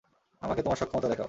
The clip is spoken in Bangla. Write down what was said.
আমাকে তোমার ক্ষমতা দেখাও।